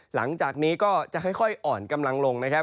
หลังจากนี้ก็จะค่อยอ่อนกำลังลงนะครับ